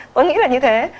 tôi nghĩ là như thế